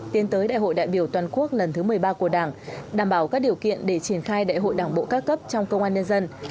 tiến tới đại hội đại biểu toàn quốc lần thứ một mươi ba của đảng đảm bảo các điều kiện để triển khai đại hội đảng bộ các cấp trong công an nhân dân